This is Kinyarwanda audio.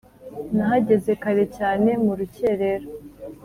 Nahageze kare cyane murukerera